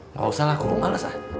nggak usah lah aku pun males ah